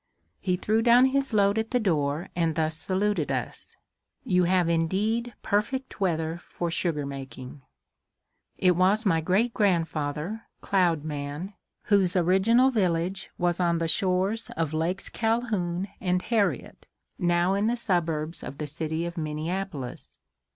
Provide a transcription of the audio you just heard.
He threw down his load at the door and thus saluted us: "You have indeed perfect weather for sugar making." It was my great grandfather, Cloud Man, whose original village was on the shores of Lakes Calhoun and Harriet, now in the suburbs of the city of Minneapolis.